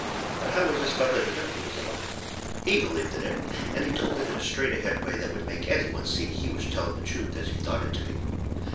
But how was this feller to know it was a lie? He believed in it, and he told it in a straight ahead way that would make any one see he was telling the truth as he thought it to be.